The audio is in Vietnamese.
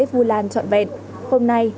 vu lan trọn vẹn hôm nay